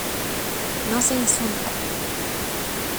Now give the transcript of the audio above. no se insulta.